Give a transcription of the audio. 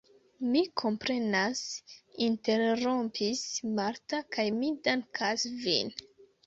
Mi komprenas, interrompis Marta, kaj mi dankas vin!